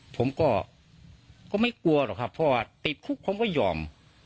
ผมก็ไม่กลัวหรอกครับเพราะว่าติดคุกผมก็ยอม